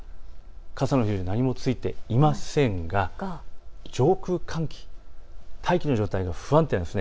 傘の表示は何もついていませんが上空の寒気、大気の状態が不安定なんです。